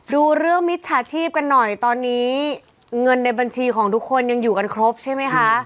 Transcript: ดูเรื่องมิจฉาชีพกันหน่อยตอนนี้เงินในบัญชีของทุกคนยังอยู่กันครบใช่ไหมคะ